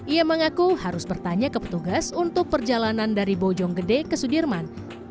ia mengaku harus bertanya ke petugas untuk perjalanan dari bojonggede ke sudirman